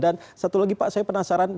dan satu lagi pak saya penasaran